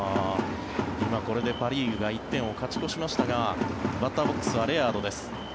今、これでパ・リーグが１点を勝ち越しましたがバッターボックスはレアードです。